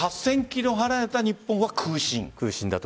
８０００ｋｍ離れた日本は空振。